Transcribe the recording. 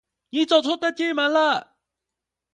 你走錯登機門了